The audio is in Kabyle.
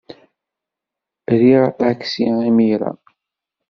Riɣ aṭaksi imir-a.